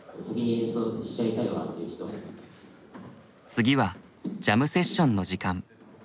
次は「ジャムセッション」の時間。